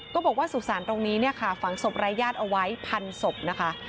ก็บอกว่าสุสานตรงนี้ฝังศพรายาทเอาไว้พันธุ์ศพนะคะ